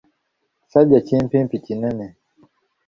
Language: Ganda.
Kisajja kimpimpi kinene.